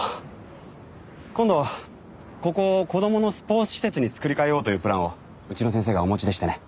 今度ここを子供のスポーツ施設に作り替えようというプランをうちの先生がお持ちでしてね。